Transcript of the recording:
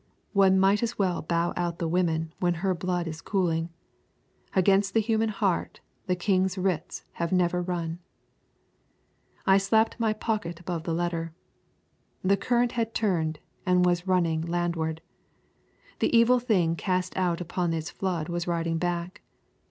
One might as well bow out the woman when her blood is cooling. Against the human heart the king's writs have never run. I slapped my pocket above the letter. The current had turned and was running landward. The evil thing cast out upon its flood was riding back.